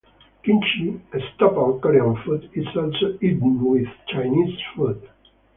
Kimchi, a staple Korean food, is also eaten with Chinese food.